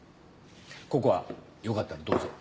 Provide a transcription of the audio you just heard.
ココアよかったらどうぞ。